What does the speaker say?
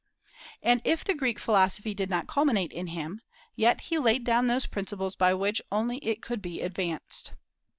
And if the Greek philosophy did not culminate in him, yet he laid down those principles by which only it could be advanced.